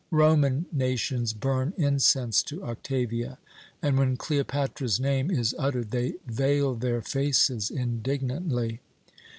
Roman nations burn incense to Octavia, and, when Cleopatra's name is uttered, they veil their faces indignantly.